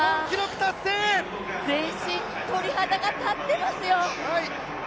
全身鳥肌が立っていますよ。